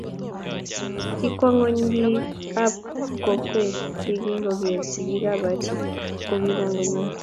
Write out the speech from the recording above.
Kikwongyo biik ab kokwee ye king koger sikiik ab Haji ko kingaronyo